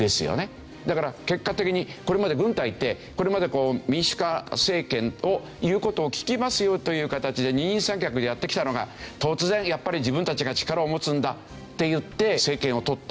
だから結果的にこれまで軍隊ってこれまでこう民主化政権を言う事を聞きますよという形で二人三脚でやってきたのが突然やっぱり自分たちが力を持つんだ！っていって政権をとった。